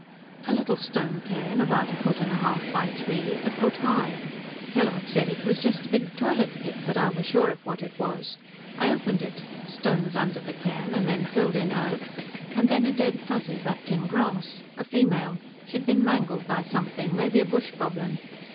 "A little stone cairn, about a foot and a half by three, a foot high. Kellogg said it was just a big toilet pit, but I was sure of what it was. I opened it. Stones under the cairn, and then filled in earth, and then a dead Fuzzy wrapped in grass. A female; she'd been mangled by something, maybe a bush goblin.